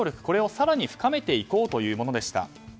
これを更に深めていこうというものでした。